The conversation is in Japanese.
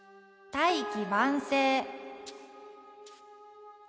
「大器晩成」。